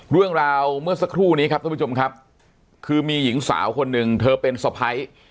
เรื่องราวเมื่อสักครู่นี้ครับท่านผู้ชมครับคือมีหญิงสาวคนหนึ่งเธอเป็นสะพ้าย